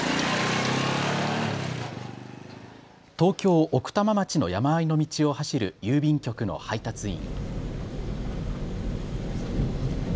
東京奥多摩町の山あいの道を走る郵便局の配達員。